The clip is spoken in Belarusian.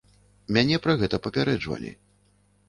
Мяне пра гэта папярэджвалі.